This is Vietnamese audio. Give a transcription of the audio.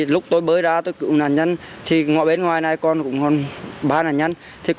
lúc tôi bơi ra tôi cứu nạn nhân ngoài bên ngoài này còn ba nạn nhân